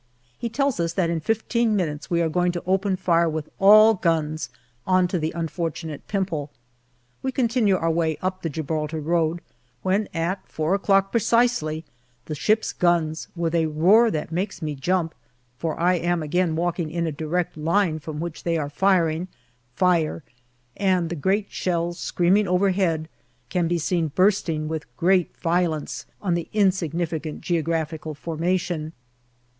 He tells us that in fifteen minutes we are going to open fire with all guns on to the unfortunate Pimple. We continue our way up the Gibraltar road, when at four o'clock precisely the ships' guns with a roar that makes me jump, for I am again walking in a direct line from which they are firing fire, and the great shells screaming overhead can be seen bursting with great violence on the insignificant geographical formation.